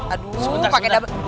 aduh pake dapet